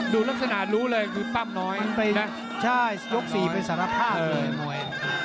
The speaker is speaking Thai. ดูลักษณะรู้เลยคือปั้มน้อยนะใช่ยก๔ไปสารภาพเลยมวย